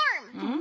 ん？